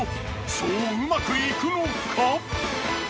そううまくいくのか？